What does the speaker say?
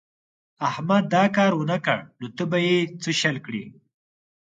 احمد دا کار و نه کړ نو ته به يې څه شل کړې.